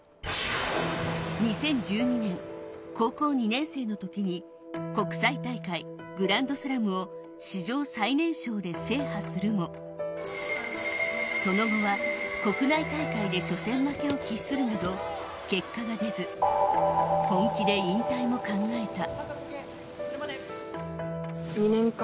２０１２年高校２年生のときに国際大会・グランドスラムを史上最年少で制覇するもその後は国内大会で初戦負けを喫するなど結果が出ず本気で引退も考えた。